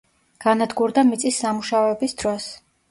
განადგურდა მიწის სამუშაოების დროს.